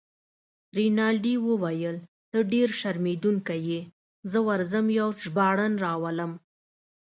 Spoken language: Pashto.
رینالډي وویل: ته ډیر شرمېدونکی يې، زه ورځم یو ژباړن راولم.